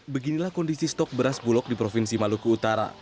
beginilah kondisi stok beras bulog di provinsi maluku utara